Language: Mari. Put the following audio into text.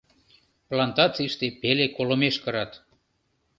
Плантацийыште пеле колымеш кырат.